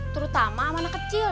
terutama mana kecil